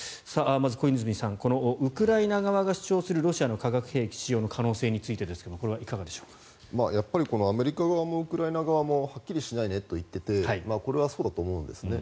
まず小泉さんこのウクライナ側が主張するロシアの化学兵器使用の可能性についてですがアメリカ側もウクライナ側もはっきりしないねと言っていてこれはそうだと思うんですね。